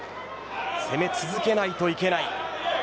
攻め続けないといけません。